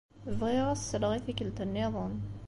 Bɣiɣ ad as-sleɣ i tikkelt nniḍen.